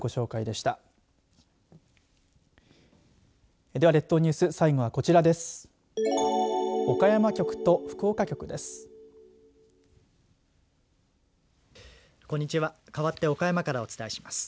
では、列島ニュース最後はこちらです。